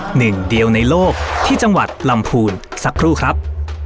หนึ่งเดียวในโลกที่จังหวัดลำพูนสักครู่ครับ